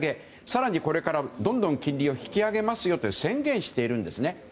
更にこれからどんどん金利を引き上げますよと宣言をしているんですね。